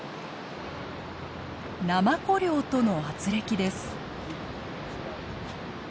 ナマコ漁とのあつれきです。